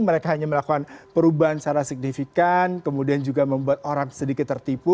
mereka hanya melakukan perubahan secara signifikan kemudian juga membuat orang sedikit tertipu